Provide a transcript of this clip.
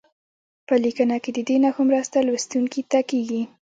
په لیکنه کې د دې نښو مرسته لوستونکي ته کیږي.